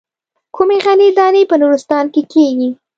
کومې غلې دانې په نورستان کې کېږي.